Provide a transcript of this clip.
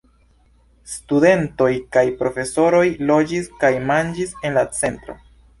Studentoj kaj profesoroj loĝis kaj manĝis en la centro.